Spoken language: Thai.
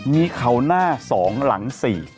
มีเขาหน้าสองหลังสี่